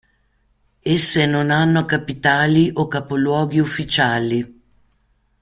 Esse non hanno capitali o capoluoghi ufficiali.